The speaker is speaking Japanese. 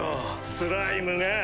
スライムが！